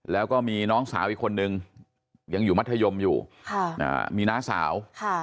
แล้วก็มีน้องสาวอีกคนนึงยังอยู่มัธยมอยู่มีน้าสาว